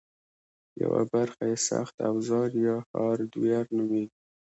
یوه برخه یې سخت اوزار یا هارډویر نومېږي